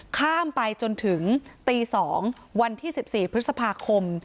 ข้ามไปจนถึงตีสองวันที่สิบสี่พฤษภาคม